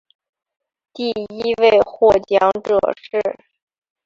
第一位获奖者是。